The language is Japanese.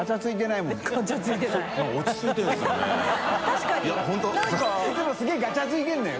い弔すげぇガチャついてるのよ。